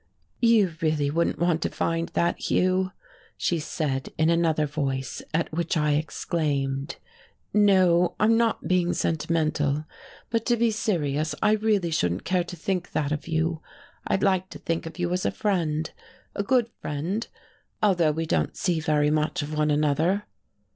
"You really wouldn't want to find that, Hugh," she said in another voice, at which I exclaimed. "No, I'm not being sentimental. But, to be serious, I really shouldn't care to think that of you. I'd like to think of you as a friend a good friend although we don't see very much of one another."